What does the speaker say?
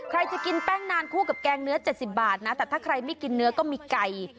จะกินแป้งนานคู่กับแกงเนื้อ๗๐บาทนะแต่ถ้าใครไม่กินเนื้อก็มีไก่